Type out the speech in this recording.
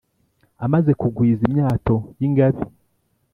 amaze kugwiza imyato y’ingabe